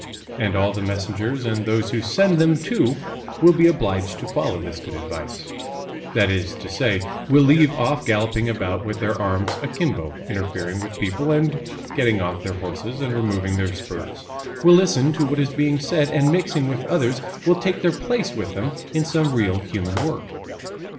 And all the messengers and those who send them too will be obliged to follow this good advice, that is to say, will leave off galloping about, with their arms akimbo, interfering with people, and getting off their horses and removing their spurs, will listen to what is being said, and mixing with others, will take their place with them in some real human work.